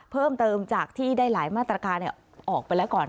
เพิ่มเติมจากที่ได้หลายมาตรการออกไปแล้วก่อน